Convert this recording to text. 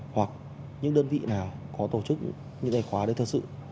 hoặc những đơn vị nào có tổ chức những cái khóa đấy thật sự